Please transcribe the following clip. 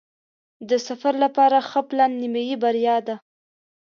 د سفر لپاره ښه پلان نیمایي بریا ده.